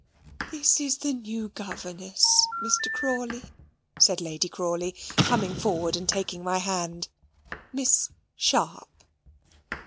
"This is the new governess, Mr. Crawley," said Lady Crawley, coming forward and taking my hand. "Miss Sharp."